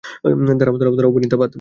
দাঁড়াও, দাঁড়াও, ভণিতা বাদ।